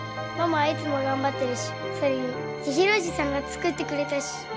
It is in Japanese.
ママはいつも頑張ってるしそれに千尋叔父さんが作ってくれたし！